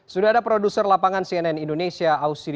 sudah ada produser lapangan cnn indonesia ausiri